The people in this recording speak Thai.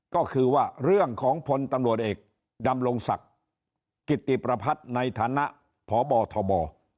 ก็คือว่าเรื่องของพลตำรวจเอกดำรงศักดิ์กิติประพัฒน์ในฐานะพบทบ